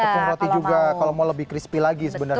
tepung roti juga kalau mau lebih crispy lagi sebenarnya